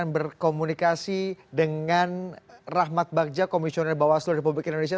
berkomunikasi dengan rahmat bagja komisioner bawaslu republik indonesia